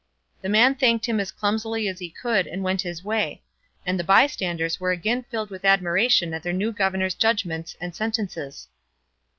The man thanked him as clumsily as he could and went his way, and the bystanders were again filled with admiration at their new governor's judgments and sentences.